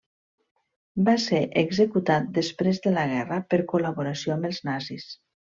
Va ser executat després de la guerra per col·laboració amb els nazis.